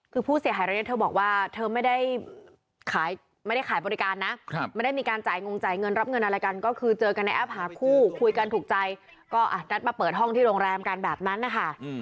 คือผู้เสียหายรายนี้เธอบอกว่าเธอไม่ได้ขายบริการนะไม่ได้มีการจ่ายงงจ่ายเงินรับเงินอะไรกันก็คือเจอกันในแอปหาคู่คุยกันถูกใจก็นัดมาเปิดห้องที่โรงแรมกันแบบนั้นนะคะ